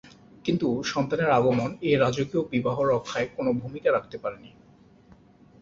কিন্তু সন্তানের আগমন এই রাজকীয় বিবাহ রক্ষায় কোনও ভূমিকা রাখতে পারেনি।